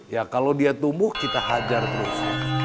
ya kalau dia tumbuh kita hajar terus